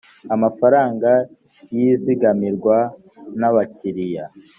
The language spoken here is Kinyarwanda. amafaranga yizigamirwa n’abakiriya